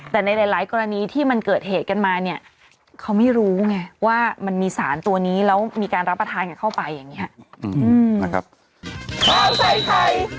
แต่ในหลายกรณีที่มันเกิดเหตุกันมาเนี่ยเขาไม่รู้ไงว่ามันมีสารตัวนี้แล้วมีการรับประทานกันเข้าไปอย่างนี้ครับ